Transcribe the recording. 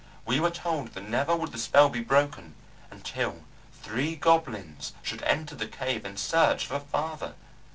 We were told that never would the spell be broken until three goblins should enter the cave in search of a feather.